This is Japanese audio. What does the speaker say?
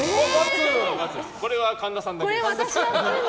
これは神田さんだけです。